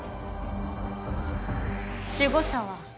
守護者は。